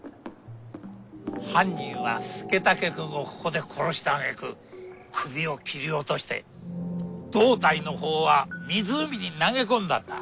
犯人は佐武くんをここで殺したあげく首を切り落として胴体のほうは湖に投げ込んだんだ。